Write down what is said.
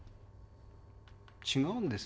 違うんです。